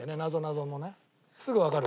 すぐわかる？